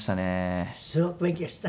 すごく勉強した？